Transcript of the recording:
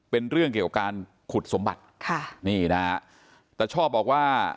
เป็นเรื่องเกี่ยวกับการขุดสมบัติค่ะนี่นะฮะตาชอบบอกว่า